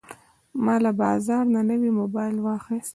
ما له بازار نه نوی موبایل واخیست.